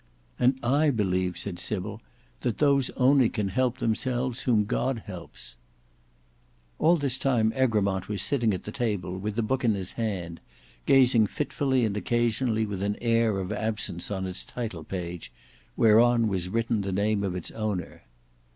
"And I believe," said Sybil, "that those only can help themselves whom God helps." All this time Egremont was sitting at the table, with the book in his hand, gazing fitfully and occasionally with an air of absence on its title page, whereon was written the name of its owner.